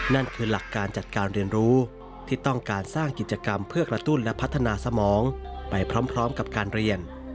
นั่นคือหลักการจัดการเรียนรู้ที่ต้องการสร้างกิจกรรมเพื่อกระตุ้นและพัฒนาสมองไปพร้อมกับการเรียน